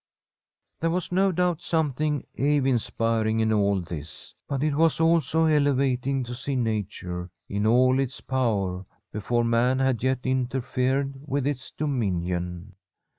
There was no doubt something awe inspiring in all this, but it was also elevating to see nature in all its power before man had yet interfered with its dominion.